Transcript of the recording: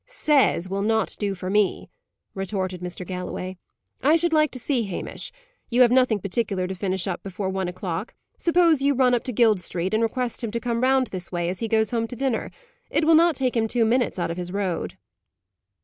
"'Says' will not do for me," retorted Mr. Galloway. "I should like to see Hamish. You have nothing particular to finish before one o'clock; suppose you run up to Guild Street, and request him to come round this way, as he goes home to dinner? It will not take him two minutes out of his road."